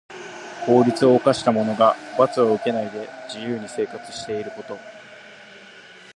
法律を犯した者が罰を受けないで自由に生活していること。